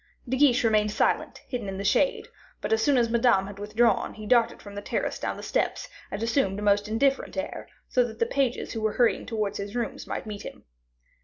De Guiche remained silent, hidden in the shade; but as soon as Madame had withdrawn, he darted from the terrace down the steps and assumed a most indifferent air, so that the pages who were hurrying towards his rooms might meet him.